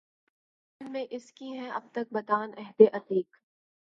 بغل میں اس کی ہیں اب تک بتان عہد عتیق